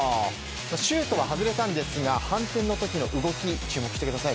シュートは外れたんですが反転の時の動き注目してください。